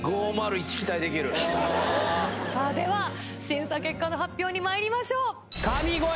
さぁでは審査結果の発表にまいりましょう。